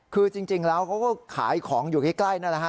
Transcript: คือจริงแล้วเขาก็ขายของอยู่ใกล้นั่นแหละฮะ